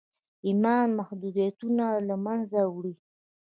ايمان محدوديتونه له منځه وړي.